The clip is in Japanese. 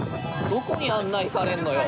◆どこに案内されんのよ。